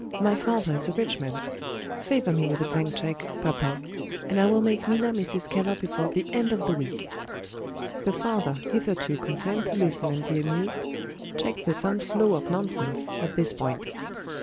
My father is a rich man. Favor me with a blank cheque, papa and I will make Minna Mrs. Keller before the end of the week!" The father, hitherto content to listen and be amused, checked the son's flow of nonsense at this point.